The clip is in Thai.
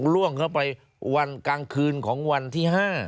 ล่วงเข้าไปวันกลางคืนของวันที่๕